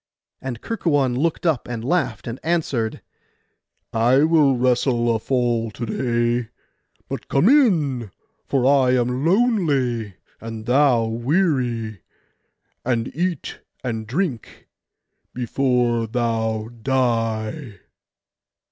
And Kerkuon looked up and laughed, and answered, 'I will wrestle a fall to day; but come in, for I am lonely and thou weary, and eat and drink before thou die.